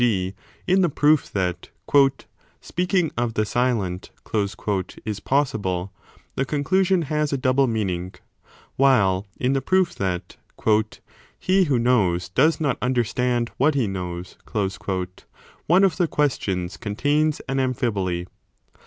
g. in the proof that speaking of the silent is possible, the conclusion has a double meaning, while in the proof that he who knows does not understand what he knows one of the questions contains an amphiboly.